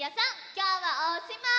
きょうはおしまい！